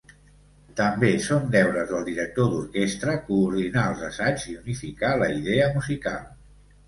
També són deures del director d'orquestra coordinar els assaigs i unificar la idea musical.